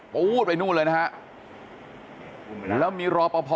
ไปนู้นเลยนะฮะแล้วมีรอพอ